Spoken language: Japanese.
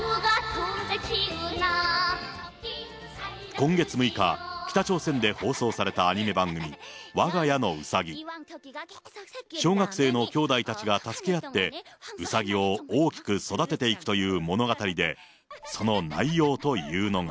今月６日、北朝鮮で放送されたアニメ番組、わが家のウサギ。小学生の兄弟たちが助け合って、うさぎを大きく育てていくという物語で、その内容というのが。